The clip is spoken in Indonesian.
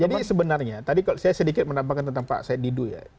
jadi sebenarnya tadi kalau saya sedikit menampakkan tentang pak said didu ya